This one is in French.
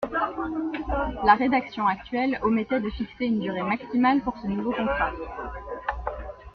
La rédaction actuelle omettait de fixer une durée maximale pour ce nouveau contrat.